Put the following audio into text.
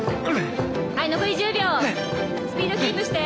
はい残り１０秒スピードキープして。